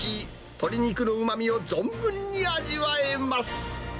鶏肉のうまみを存分に味わえます。